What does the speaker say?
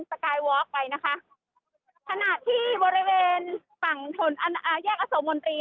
สกายวอล์กไปนะคะขณะที่บริเวณฝั่งถนนอ่าแยกอโสมนตรี